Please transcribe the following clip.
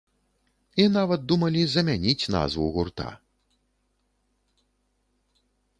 І нават думалі замяніць назву гурта.